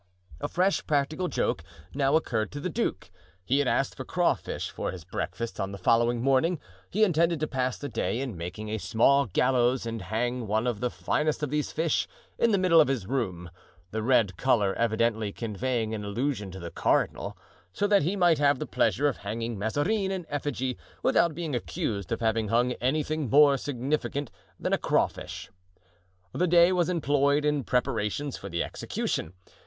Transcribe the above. A fresh practical joke now occurred to the duke. He had asked for crawfish for his breakfast on the following morning; he intended to pass the day in making a small gallows and hang one of the finest of these fish in the middle of his room—the red color evidently conveying an allusion to the cardinal—so that he might have the pleasure of hanging Mazarin in effigy without being accused of having hung anything more significant than a crawfish. The day was employed in preparations for the execution.